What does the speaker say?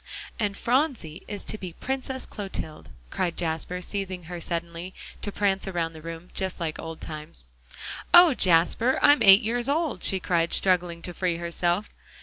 "And Phronsie is to be Princess Clotilde," cried Jasper, seizing her suddenly, to prance around the room, just like old times. "Oh, Jasper! I'm eight years old," she cried, struggling to free herself.